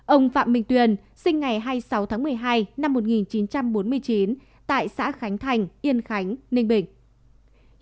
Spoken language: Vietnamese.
ông phạm minh tuyền sinh ngày hai mươi sáu tháng một mươi hai năm một nghìn chín trăm bốn mươi chín tại xã khánh thành yên khánh ninh bình